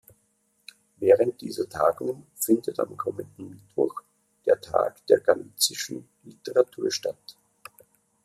Während dieser Tagung findet am kommenden Mittwoch der Tag der galicischen Literatur statt.